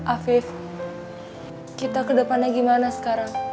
afif kita ke depannya gimana sekarang